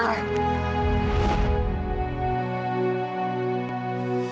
mas aku mau ke mobil